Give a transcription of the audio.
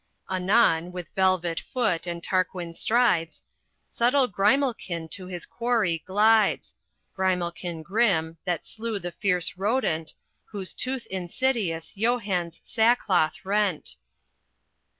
Anon, with velvet foot and Tarquin strides, Subtle Grimalkin to his quarry glides Grimalkin grim, that slew the fierce rodent Whose tooth insidious Johann's sackcloth rent.